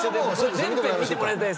全編見てもらいたい。